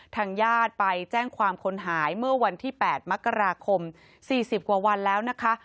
ทางญาติไปแจ้งความคนหายเมื่อวันที่๘มกราคม๔๐กว่าวันแล้วนะคะ